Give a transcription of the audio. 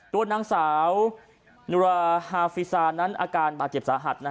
ตัวนางสาวนุราฮาฟิซานั้นอาการบาดเจ็บสาหัส